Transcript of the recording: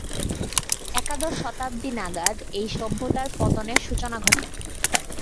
একাদশ শতাব্দী নাগাদ এই সভ্যতার পতনের সূচনা ঘটে।